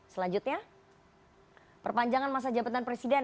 selanjutnya perpanjangan masa jabatan presiden